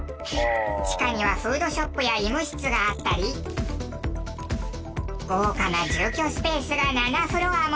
地下にはフードショップや医務室があったり豪華な住居スペースが７フロアも。